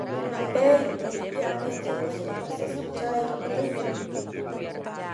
Ээй, эһиги аны ити мууска тахса сылдьаа- йаххытый